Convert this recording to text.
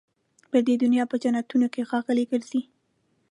پر دې دنیا په جنتونو کي ښاغلي ګرځي